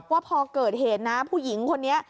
ว่าพอเกิดเหตุนะผู้หญิงคนนี้